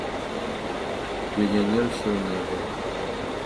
Легіянер сеў на яго.